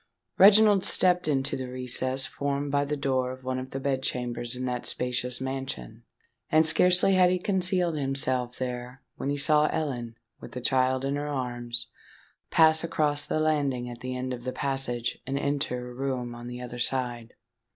Reginald stepped into the recess formed by the door of one of the bed chambers in that spacious mansion; and scarcely had he concealed himself there when he saw Ellen, with the child in her arms, pass across the landing at the end of the passage, and enter a room on the other side.